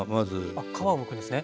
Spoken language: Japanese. あっ皮をむくんですね。